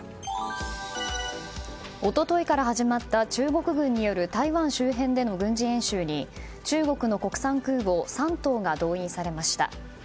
一昨日から始まった中国軍による台湾周辺での軍事演習に中国の国産空母「山東」が動員されました。